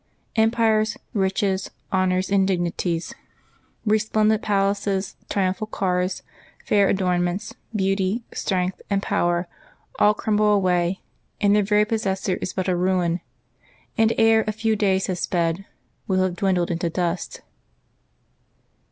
^' Empires, riches, honors, and dignities, re 6 LIVES OF THE 'SAINTS splendent palaces, triumphal cars, fair adornments, beauty, strength, and power, all crumble away, and their very pos sessor is but a ruin, and, ere a few days have sped, will have dwindled into dust.